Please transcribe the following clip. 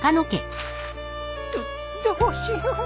どっどうしよう。